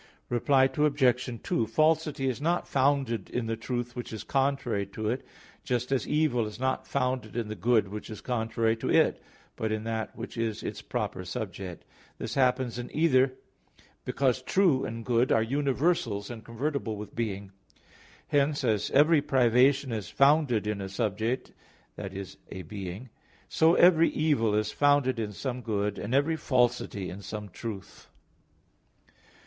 Reply Obj. 2: Falsity is not founded in the truth which is contrary to it, just as evil is not founded in the good which is contrary to it, but in that which is its proper subject. This happens in either, because true and good are universals, and convertible with being. Hence, as every privation is founded in a subject, that is a being, so every evil is founded in some good, and every falsity in some truth.